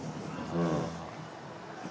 うん。